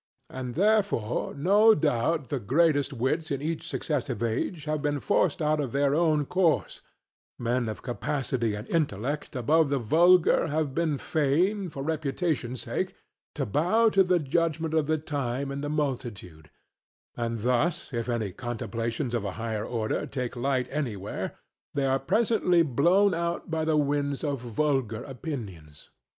And therefore no doubt the greatest wits in each successive age have been forced out of their own course, men of capacity and intellect above the vulgar having been fain, for reputation's sake, to bow to the judgment of the time and the multitude; and thus if any contemplations of a higher order took light anywhere, they were presently blown out by the winds of vulgar opinions.